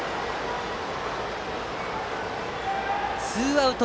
ツーアウト。